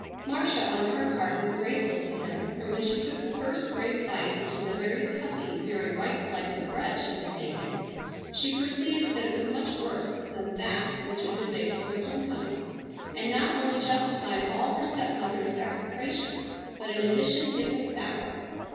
Marcia on her part was grateful to him, for when she took the first brave bite into the very puffy, very white slice of bread she had taken, she perceived that it was much worse than that which had been baked for their homecoming, and not only justified all her stepmother's execrations, but in addition it was sour.